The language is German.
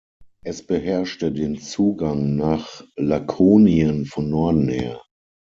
Es beherrschte den Zugang nach Lakonien von Norden her.